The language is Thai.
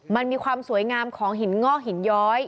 มันมีความสวยงามของหินงอกหินย้อย